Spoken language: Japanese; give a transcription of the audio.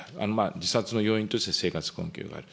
自殺の要因として、生活困窮がある。